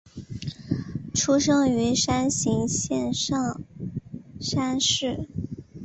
出身于山形县上山市。